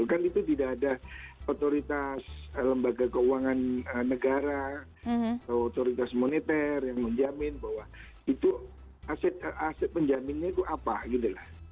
kan itu tidak ada otoritas lembaga keuangan negara atau otoritas moneter yang menjamin bahwa itu aset penjaminnya itu apa gitu lah